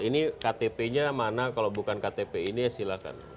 ini ktp nya mana kalau bukan ktp ini ya silahkan